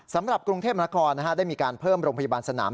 สำหรับกรุงเทพนครได้มีการเพิ่มโรงพยาบาลสนาม